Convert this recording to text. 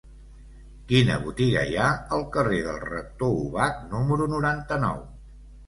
Quina botiga hi ha al carrer del Rector Ubach número noranta-nou?